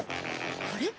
あれ？